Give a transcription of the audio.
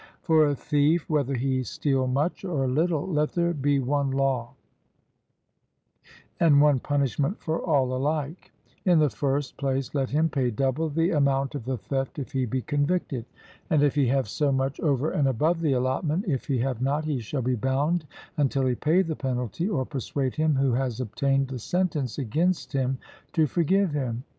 For a thief, whether he steal much or little, let there be one law, and one punishment for all alike: in the first place, let him pay double the amount of the theft if he be convicted, and if he have so much over and above the allotment if he have not, he shall be bound until he pay the penalty, or persuade him who has obtained the sentence against him to forgive him.